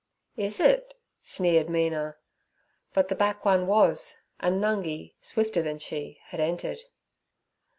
'Is it?' sneered Mina. But the back one was, and Nungi, swifter than she, had entered.